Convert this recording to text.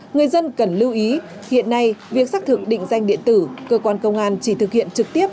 người dân cần lưu ý hiện nay việc xác thực định danh điện tử cơ quan công an chỉ thực hiện trực tiếp